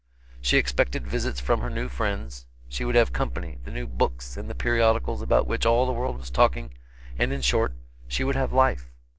She expected visits from her new friends, she would have company, the new books and the periodicals about which all the world was talking, and, in short, she would have life.